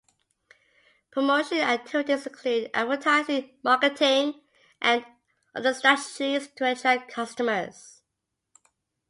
Promotion activities include advertising, marketing, and other strategies to attract customers.